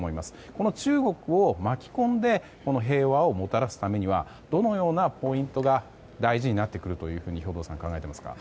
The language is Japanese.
この中国を巻き込んで平和をもたらすためにはどのようなポイントが大事になってくると兵頭さんは考えていますか。